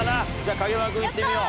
影山君行ってみよう。